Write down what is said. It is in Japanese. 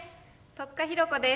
戸塚寛子です。